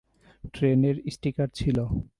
ট্রেনের স্টিকার ছিল।